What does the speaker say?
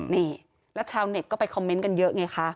นี่แล้วชาวเน็ตก็ไปคอมเมนต์กันเยอะไงคะ